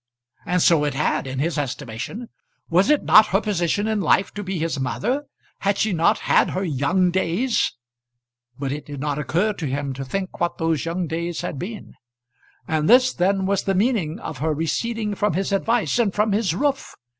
And so it had, in his estimation. Was it not her position in life to be his mother? Had she not had her young days? But it did not occur to him to think what those young days had been. And this then was the meaning of her receding from his advice and from his roof!